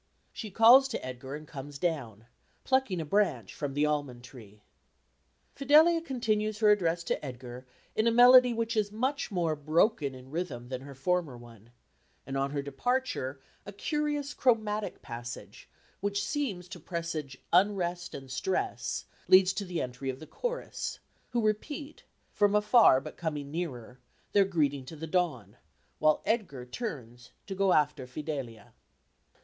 She calls to Edgar and comes down, plucking a branch from the almond tree. Fidelia continues her address to Edgar in a melody which is much more broken in rhythm than her former one; and on her departure a curious chromatic passage, which seems to presage unrest and stress, leads to the entry of the chorus, who repeat, from afar but coming nearer, their greeting to the dawn, while Edgar turns to go after Fidelia.